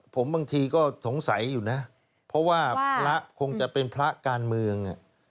ผมบางทีก็สงสัยอยู่นะเพราะว่าพระคงจะเป็นพระการเมือง